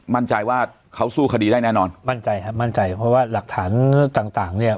มั่นใจว่าเขาสู้คดีได้แน่นอนมั่นใจครับมั่นใจเพราะว่าหลักฐานต่างต่างเนี่ย